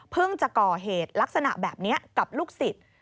เพิ่งจะก่อเหตุลักษณะแบบนี้กับลูกสิทธิ์